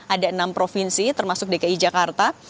ada enam provinsi termasuk dki jakarta